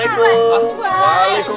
apaan sih harian